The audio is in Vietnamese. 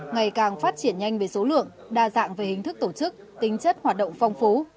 ngày càng phát triển nhanh về số lượng đa dạng về hình thức tổ chức tính chất hoạt động phong phú